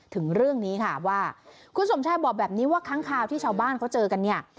ถึงเรื่องนี้ค่ะว่าคุณสมชายบอกแบบนี้ว่าค้างคาวที่ชาวบ้านเขาเจอกันเนี่ย